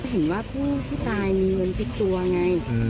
เห็นว่าผู้ตายมีเงินติดตัวไง